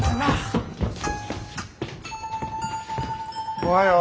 おはよう。